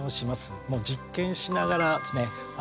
もう実験しながらあ